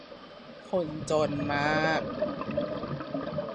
คนจนมาก